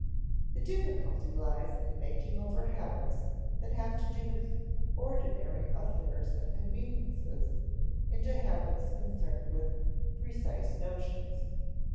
The difficulty lies in making over habits that have to do with "ordinary affairs and conveniences" into habits concerned with "precise notions."